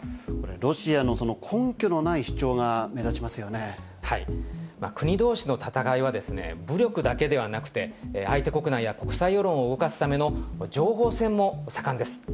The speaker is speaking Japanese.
ロシアの根拠のない主張が目国どうしの戦いは、武力だけではなくて、相手国内や国際世論を動かすための情報戦も盛んです。